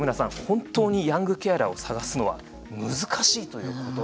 本当にヤングケアラーを探すのは難しいということなんですね。